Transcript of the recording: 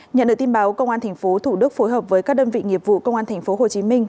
nhận được tin báo công an thành phố thủ đức phối hợp với các đơn vị nghiệp vụ công an thành phố hồ chí minh